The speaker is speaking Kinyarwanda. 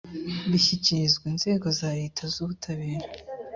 bishyikirizwa inzego za leta z ubutabera